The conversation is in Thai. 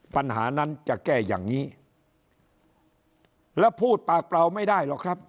ปัญหานั้นจะแก้อย่างนี้แล้วพูดปากเปล่าไม่ได้หรอกครับ